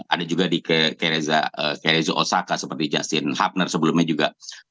ada juga di kerezo osaka seperti justin hubner sebelumnya juga